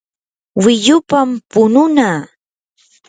wiyupam pununaa.